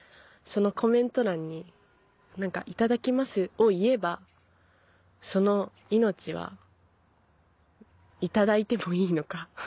そのコメント欄に「いただきますを言えばその命はいただいてもいいのか」。